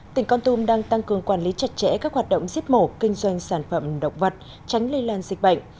tỉnh con tum đang tăng cường quản lý chặt chẽ các hoạt động giết mổ kinh doanh sản phẩm động vật tránh lây lan dịch bệnh